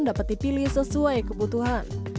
dapat dipilih sesuai kebutuhan